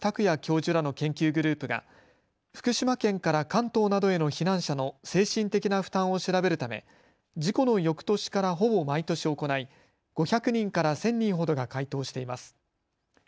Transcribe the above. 也教授らの研究グループが福島県から関東などへの避難者の精神的な負担を調べるため、事故のよくとしからほぼ毎年行い、５００人から１０００人ほどが回答しています。